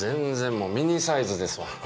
もうミニサイズですわ。